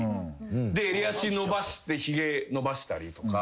で襟足伸ばしてひげ伸ばしたりとか。